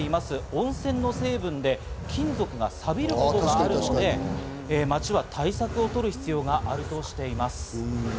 温泉の成分で金属が錆びることがあるとして、町は対策を取る必要があるとしています。